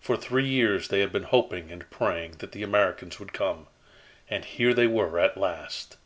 For three years they had been hoping and praying that the Americans would come and here they were at last!